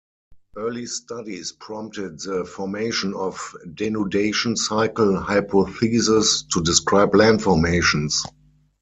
Early studies prompted the formation of denudation cycle hypotheses to describe land formations.